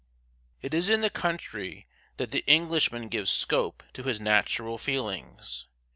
It is in the country that the Englishman gives scope to his natural feelings.